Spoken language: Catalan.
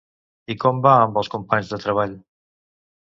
I com va amb els companys de Treball?